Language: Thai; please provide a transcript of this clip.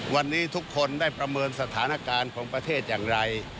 วันนี้ทุกคนได้ประเมินสถานการณ์ของประเทศอย่างไร